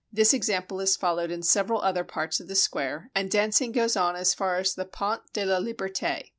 This example is followed in several other parts of the square, and dancing goes on as far as the Pont de la Liberte.